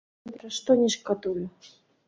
Я ні пра што не шкадую.